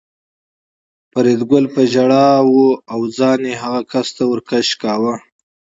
فریدګل په ژړا و او ځان یې هغه کس ته ور کش کاوه